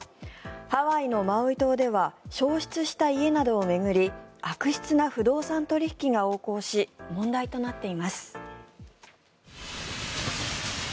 ハワイのマウイ島では焼失した家などを巡り悪質な不動産取引が横行し問題となっています。